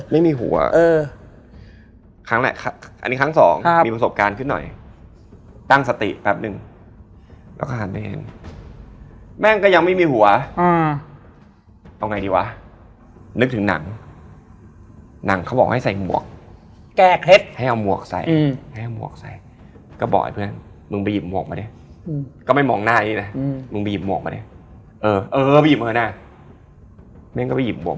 ไม่มีอะไรเราก็ไม่ได้คิดอะไร